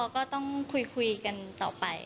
ก็ต้องคุยกันต่อไป